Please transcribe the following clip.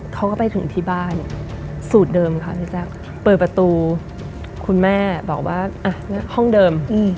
เขาก็ไปถึงที่บ้านสูตรเดิมค่ะพี่แจ๊คเปิดประตูคุณแม่บอกว่าอ่ะห้องเดิม